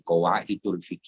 kau itu fikir